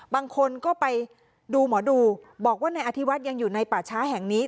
บางคนก็ไปดูหมอดูบอกว่านายอธิวัฒน์ยังอยู่ในป่าช้าแห่งนี้